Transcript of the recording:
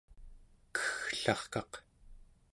kegglarkaq